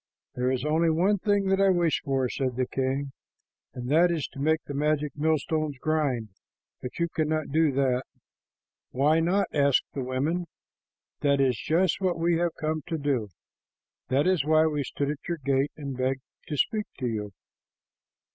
"There is only one thing that I wish for," said the king, "and that is to make the magic millstones grind, but you cannot do that." "Why not?" asked the women. "That is just what we have come to do. That is why we stood at your gate and begged to speak to you."